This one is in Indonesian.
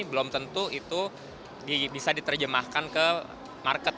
belum tentu itu bisa diterjemahkan ke market